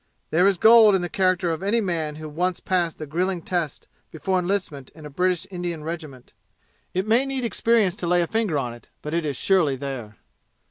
There is gold in the character of any man who once passed the grilling tests before enlistment in a British Indian regiment. It may need experience to lay a finger on it, but it is surely there.